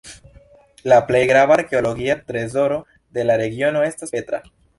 La plej grava arkeologia trezoro de la regiono estas Petra.